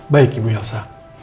baik ibu yulsa